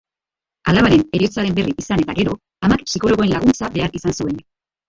Alabaren heriotzaren berri izan eta gero, amak psikologoen laguntza behar izan zuen.